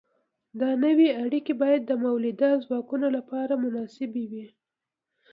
دا نوې اړیکې باید د مؤلده ځواکونو لپاره مناسبې وي.